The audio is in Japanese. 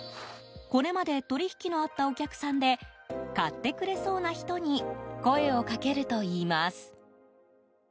これまで取引のあったお客さんで買ってくれそうな人に声をかけるといいます。